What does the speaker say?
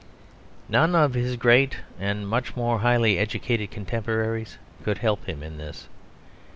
None of his great and much more highly educated contemporaries could help him in this.